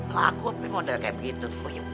laku tapi model kayak begitu